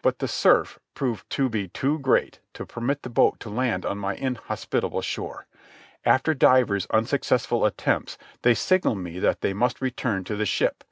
But the surf proved to be too great to permit the boat to land on my inhospitable shore. After divers unsuccessful attempts they signalled me that they must return to the ship.